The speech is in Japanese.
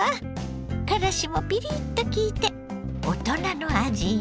からしもピリッと効いて大人の味よ。